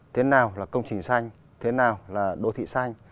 thế nào là công trình xanh thế nào là đô thị xanh